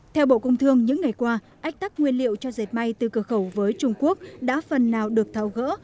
theo bộ công thương những ngày qua ách tắc nguyên liệu cho dệt may từ cửa khẩu với trung quốc đã phần nào được thao gỡ